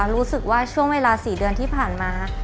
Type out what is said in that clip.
รู้สึกว่าช่วงเวลา๔เดือนที่ผ่านมา